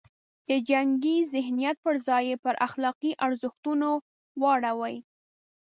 د جنګي ذهنیت پر ځای یې پر اخلاقي ارزښتونو واړوي.